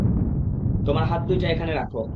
তোমার হাত দুইটা এখানে রাখো।